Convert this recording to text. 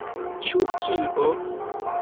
Ĉu kio?